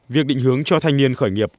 việc định hướng cho thanh niên khởi nghiệp